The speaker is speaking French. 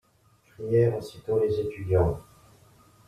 Crièrent aussitôt les étudiants.